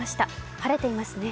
晴れていますね。